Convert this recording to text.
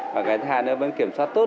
và cái hai nữa vẫn kiểm soát tốt